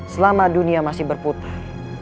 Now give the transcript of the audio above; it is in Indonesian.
selama dunia masih berputar